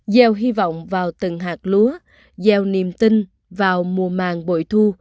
gieo hy vọng vào từng hạt lúa gieo niềm tin vào mùa màng bội thu